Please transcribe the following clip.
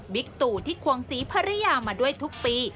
ตู่ที่ควงศรีภรรยามาด้วยทุกปี